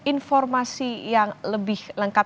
informasi yang lebih lengkap